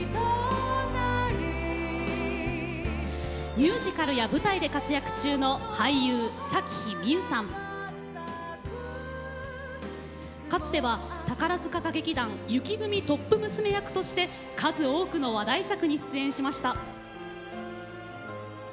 ミュージカルや舞台で活躍中のかつては宝塚歌劇団雪組トップ娘役として数多くの話題作に出演しました。